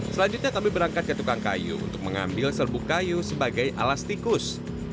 selanjutnya kami berangkat ke tukang kayu untuk mengambil serbuk kayu sebagai alas tikus